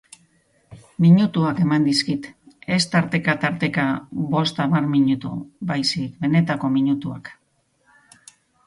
Minutuak eman dizkit, ez tarteta-tarteka bost hamar minutu baizik benetako minutuak.